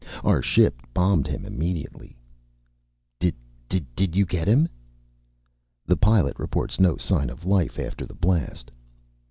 Our ship bombed him immediately." "Did did you get him?" "The pilot reports no sign of life after the blast."